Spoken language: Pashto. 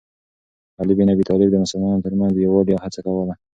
علي بن ابي طالب د مسلمانانو ترمنځ د یووالي هڅه کوله.